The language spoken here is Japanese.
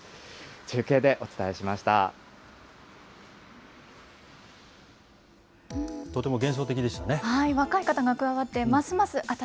中継でお伝えしました。